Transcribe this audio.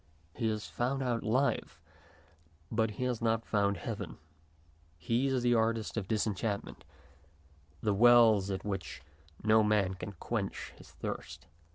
He has found out life, but he has not found heaven. He is the artist of disenchantment, the Wells at which no man can quench his thirst.